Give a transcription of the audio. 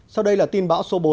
sau đây là tin bão số bốn